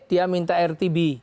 dia minta rtb